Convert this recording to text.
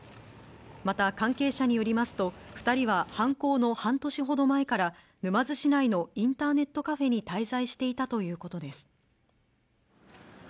また関係者によりますと、２人は犯行の半年ほど前から、沼津市内のインターネットカフェに滞在していたということです。